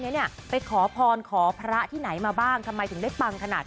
เนี่ยไปขอพรขอพระที่ไหนมาบ้างทำไมถึงได้ปังขนาด